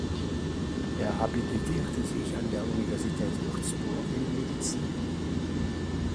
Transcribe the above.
Er habilitierte sich an der Universität Würzburg in Medizin.